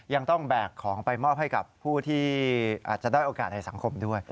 ยังต้องแบกของไปมอบให้กับผู้ที่อาจจะด้อยโอกาสในสังคมด้วย